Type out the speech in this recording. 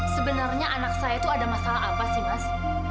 sebenarnya anak saya itu ada masalah apa sih mas